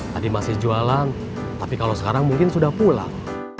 tadi masih jualan tapi kalau sekarang mungkin sudah pulang